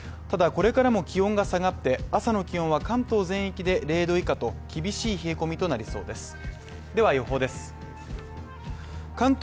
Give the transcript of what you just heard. ただこれからも気温が下がって、朝の気温は関東全域で０℃以下と、厳しい冷え込みとなりそうです